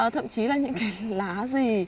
thậm chí là những cái lá gì